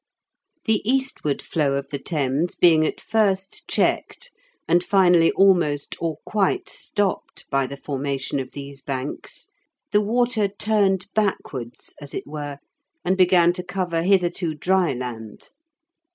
The eastward flow of the Thames being at first checked, and finally almost or quite stopped by the formation of these banks, the water turned backwards as it were, and began to cover hitherto dry land.